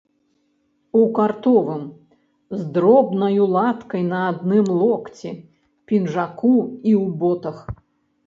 У картовым, з дробнаю латкаю на адным локці, пінжаку і ў ботах.